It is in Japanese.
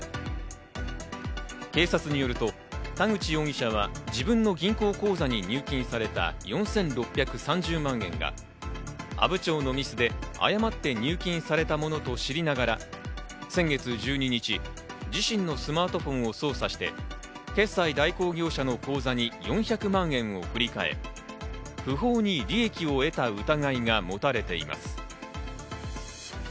警察によると、田口容疑者は自分の銀行口座に入金された４６３０万円が阿武町のミスで誤って入金されたものと知りながら先月１２日、自身のスマートフォンを操作して決済代行業者の口座に４００万円を振り替え、不法に利益を得た疑いがもたれています。